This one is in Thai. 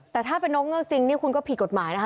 แต่ถ้าเป็นนกเงือกจริงนี่คุณก็ผิดกฎหมายนะคะ